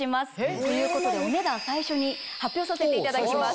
ということでお値段最初に発表させていただきます。